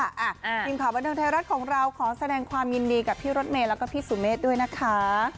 ทีมข่าวบันเทิงไทยรัฐของเราขอแสดงความยินดีกับพี่รถเมย์แล้วก็พี่สุเมฆด้วยนะคะ